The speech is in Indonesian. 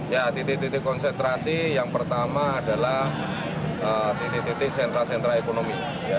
ya titik titik konsentrasi yang pertama adalah titik titik sentra sentra ekonomi